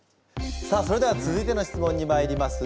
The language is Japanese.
さあそれでは続いての質問にまいります。